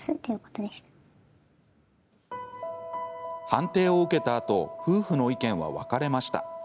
判定を受けたあと夫婦の意見は分かれました。